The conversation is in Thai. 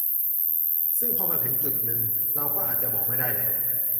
ซึ่งพอมาถึงจุดนึง เราก็อาจจะบอกไม่ได้แล้ว